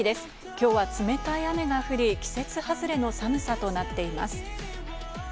今日は冷たい雨が降り、季節外れの寒さとなっています。